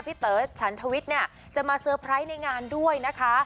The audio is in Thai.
เต๋อฉันทวิทย์เนี่ยจะมาเซอร์ไพรส์ในงานด้วยนะคะ